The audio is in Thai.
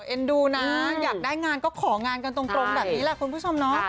เอ็นดูนะอยากได้งานก็ของานกันตรงแบบนี้แหละคุณผู้ชมเนาะ